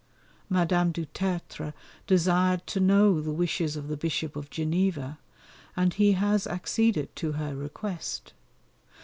Madame du Tertre desired to know the wishes of the Bishop of Geneva, and he has acceded to her request.